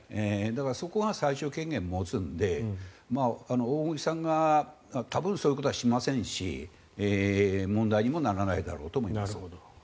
だからそこが最終権限を持つので大串さんが多分そういうことはしませんし問題にもならないだろうと思います。